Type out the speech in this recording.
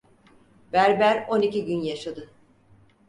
Berber on iki gün yaşadı.